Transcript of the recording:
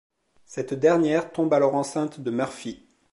Cette dernière tombe alors enceinte de Murphy.